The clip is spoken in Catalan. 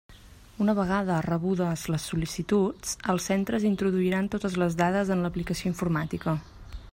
Una vegada rebudes les sol·licituds, els centres introduiran totes les dades en l'aplicació informàtica.